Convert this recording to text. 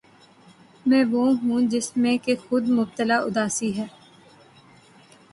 میں وہ ہوں جس میں کہ خود مبتلا اُداسی ہے